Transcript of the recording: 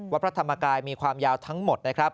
พระธรรมกายมีความยาวทั้งหมดนะครับ